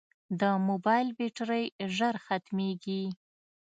د موبایل بیټرۍ ژر ختمیږي.